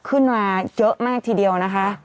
ขึ้นมาเยอะมากทีเดียวนะคะ